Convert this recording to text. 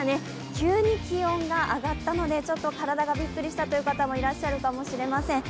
急に気温が上がったのでちょっと体がびっくりしたという方もいらっしゃるかもしれません。